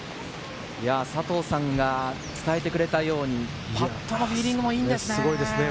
佐藤さんが伝えてくれたようにパットのフィーリングもいいんですね。